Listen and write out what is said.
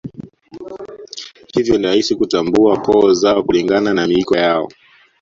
Hivyo ni rahisi kutambua koo zao kulingana na miiko yao